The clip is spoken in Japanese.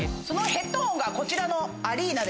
そのヘッドホンがこちら。